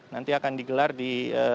nanti akan digelar di